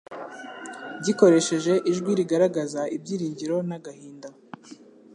Gikoresheje ijwi rigaragaza ibyiringiro n'agahinda,